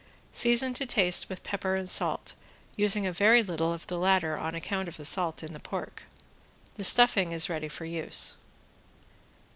Season to taste with pepper and salt, using a very little of the latter on account of the salt in the pork. Then stuffing is ready for use.